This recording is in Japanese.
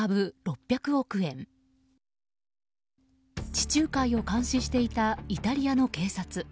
地中海を監視していたイタリアの警察。